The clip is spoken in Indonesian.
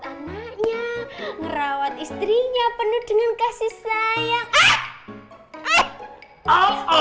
kamarnya ngerawat istrinya penuh dengan kasih sayang